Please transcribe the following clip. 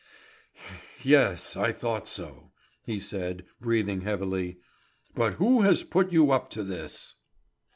"Yes, I thought so," he said, breathing heavily; "but who has put you up to this?"